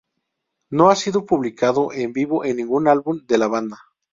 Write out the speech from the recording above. No ha sido publicada en vivo en ningún álbum de la banda.